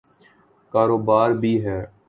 کاروبار بھی ہے۔